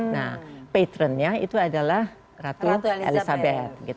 nah patternnya itu adalah ratu elizabeth